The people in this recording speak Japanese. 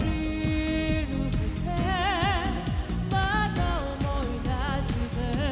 「また思い出して」